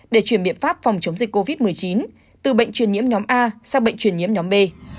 để chuyển biện pháp phòng chống dịch covid một mươi chín từ bệnh truyền nhiễm nhóm a sang bệnh truyền nhiễm nhóm b